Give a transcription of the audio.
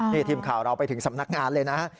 นี่ทีมข่าวเราไปถึงสำนักงานเลยนะ